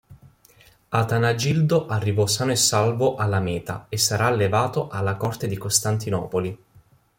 Atanagildo arrivò sano e salvo alla meta e sarà allevato alla corte di Costantinopoli.